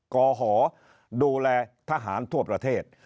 กหอดูแลทหารทั่วประเทศ